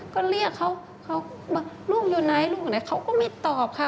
ก็เรียกเขาลูกอยู่ไหนเขาก็ไม่ตอบค่ะ